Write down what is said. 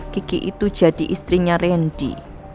kiki itu jadi istrinya randy